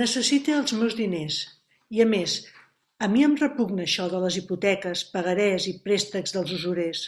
Necessite els meus diners; i a més, a mi em repugna això de les hipoteques, pagarés i préstecs dels usurers.